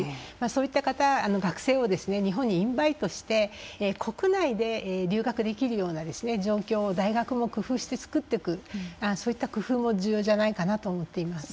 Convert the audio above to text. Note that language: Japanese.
そういった方学生を日本にインバイトして国内で留学できるような状況を大学も工夫して作っていくそういった工夫も重要じゃないかなと思っています。